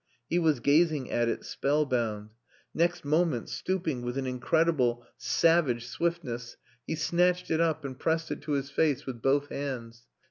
He was gazing at it spell bound. Next moment, stooping with an incredible, savage swiftness, he snatched it up and pressed it to his face with both hands.